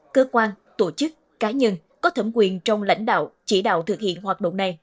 cơ quan tổ chức cá nhân có thẩm quyền trong lãnh đạo chỉ đạo thực hiện hoạt động này